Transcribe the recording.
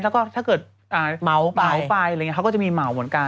แล้วก็ถ้าเกิดเหมาไปอะไรอย่างนี้เขาก็จะมีเหมาเหมือนกัน